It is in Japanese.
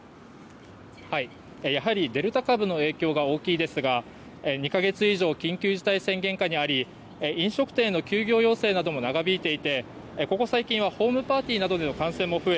やはりデルタ株の影響が大きいんですが２か月以上緊急事態宣言下にあり飲食店への休業要請なども長引いていてここ最近はホームパーティーなどでの感染も増え